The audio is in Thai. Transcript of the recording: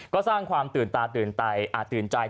ก็สร้างความตื่นตาตื่นใจ